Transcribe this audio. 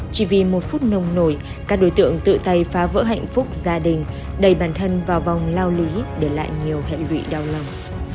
chỉ vì một phút nông nổi các đối tượng tự tay phá vỡ hạnh phúc gia đình đầy bản thân vào vòng lao lý để lại nhiều hệ lụy đau lòng